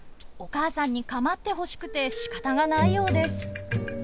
お母さんにかまってほしくてしかたがないようです。